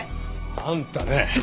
あんたね！